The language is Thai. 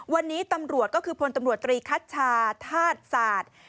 วันนี้ตำรวจก็คือพลตำรวจตรีคัชชาธาตุศาสตร์